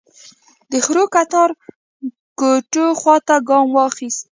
د خړو کتار کوټو خواته يې ګام واخيست.